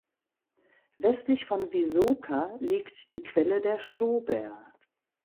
Westlich von Wysoka liegt die Quelle der Stober.